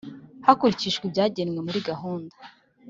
Hakurikijwe ibyagenwe muri gahunda.